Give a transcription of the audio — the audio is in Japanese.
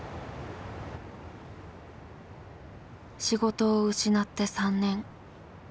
仕事を失って３年。